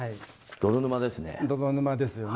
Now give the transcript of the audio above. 泥沼ですよね。